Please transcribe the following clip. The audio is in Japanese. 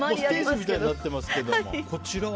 ステージみたいになってますけど。